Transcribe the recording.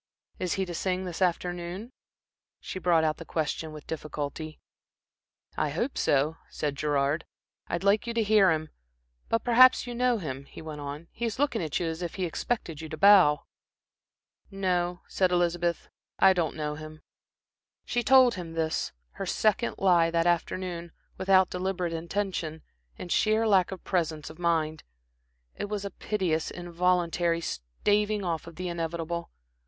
Is he to sing this afternoon?" She brought out the question with difficulty. "I hope so," said Gerard. "I'd like you to hear him. But perhaps you know him," he went on. "He is looking at you as if he expected you to bow." "No," said Elizabeth. "I don't know him." She told him this, her second lie that afternoon, without deliberate intention, in sheer lack of presence of mind. It was a piteous, involuntary staving off of the inevitable.